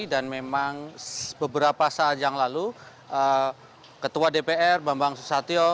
dan memang beberapa saat yang lalu ketua dpr bambang susatyo